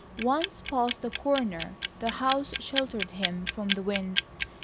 Once past the corner, the house sheltered him from the wind.